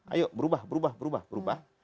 ayo berubah berubah berubah berubah